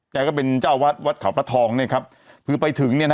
ก็เป็นเจ้าวัดวัดเขาพระทองเนี่ยครับคือไปถึงเนี่ยนะ